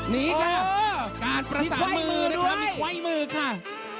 นี่ค่ะการประสานมือนะครับมีไขว้มือค่ะ